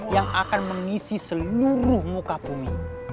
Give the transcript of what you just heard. yang akan mengisi seluruh muka bumi